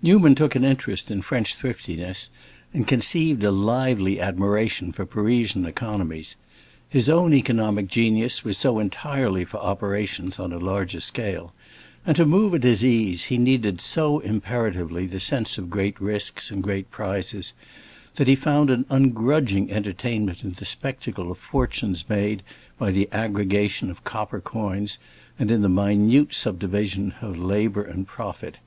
Newman took an interest in French thriftiness and conceived a lively admiration for Parisian economies. His own economic genius was so entirely for operations on a larger scale, and, to move at his ease, he needed so imperatively the sense of great risks and great prizes, that he found an ungrudging entertainment in the spectacle of fortunes made by the aggregation of copper coins, and in the minute subdivision of labor and profit.